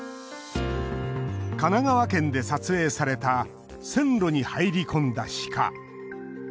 神奈川県で撮影された線路に入り込んだシカ。